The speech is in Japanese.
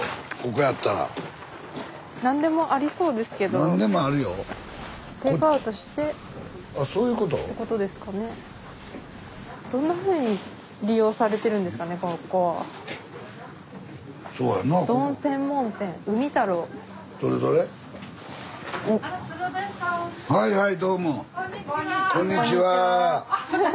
こんにちは。